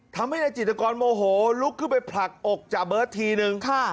ทำให้นายจิตกรโมโหลุกขึ้นไปผลักอกจ่าเบิร์ตทีนึง